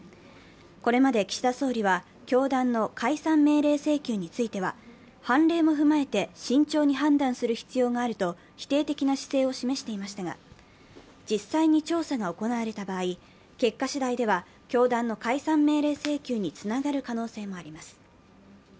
これまで岸田総理は、教団の解散命令請求については判例も踏まえて慎重に判断する必要があると否定的な姿勢を示していましたが実際に調査が行われた場合、結果次第では、教団の解散命令請求につながる可能性もあります。